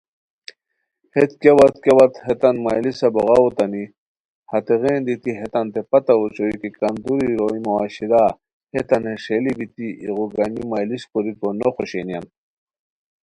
ہیت کیہ وت کیہ وت ہیتان میلسہ بوغاؤ اوتانی ہتیغین دیتی ہیتانتین پتہ اوشوئے کی کندوری روئے معاشرا ہیتان ہے ݰیلی بیتی ایغوگنی میلس کوریکو نوخوشئینیان